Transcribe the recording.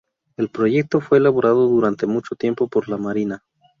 El proyecto fue elaborado durante mucho tiempo por la Marina.